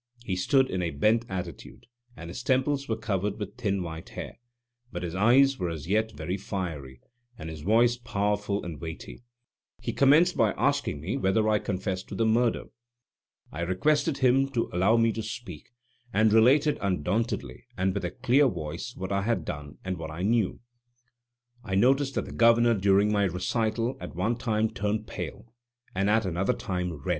He stood in a bent attitude, and his temples were covered with thin white hair, but his eyes were as yet very fiery, and his voice powerful and weighty. He commenced by asking me whether I confessed to the murder. I requested him to allow me to speak, and related undauntedly and with a clear voice what I had done, and what I knew. I noticed that the Governor, during my recital, at one time turned pale, and at another time red.